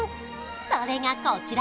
それがこちら！